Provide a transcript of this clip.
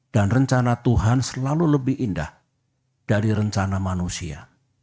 dan rencana tuhan selalu lebih indah dari rencana manusia